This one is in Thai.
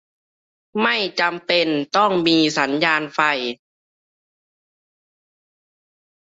ไม่จำเป็นต้องมีสัญญาณไฟ